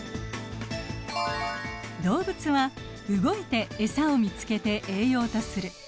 動物は動いてエサを見つけて栄養とする。